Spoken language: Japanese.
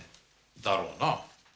だろうな。